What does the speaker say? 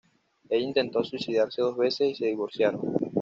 Ella intentó suicidarse dos veces y se divorciaron.